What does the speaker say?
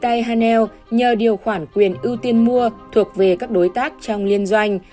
các đối tác trong liên doanh nhờ điều khoản quyền ưu tiên mua thuộc về các đối tác trong liên doanh